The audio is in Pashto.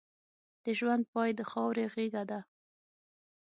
د ژوند پای د خاورې غېږه ده.